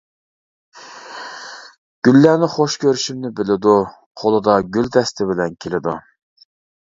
گۈللەرنى خوش كۆرۈشۈمنى بىلىدۇ، قولىدا گۈل دەستە بىلەن كېلىدۇ.